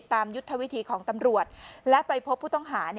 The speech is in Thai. ยุทธวิธีของตำรวจและไปพบผู้ต้องหา